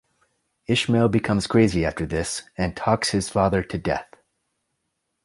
Ishmael becomes crazy after this, and "talks his father to death".